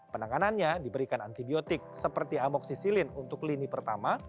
penanganannya diberikan antibiotik seperti amoksisilin untuk lini pertama